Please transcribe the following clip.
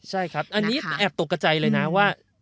ใช่อันนี้แอบตกกับใจเลยนะ